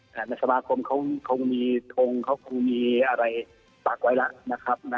นักสมาคมเขาคงมีทงเขาคงมีอะไรปากไว้แล้ว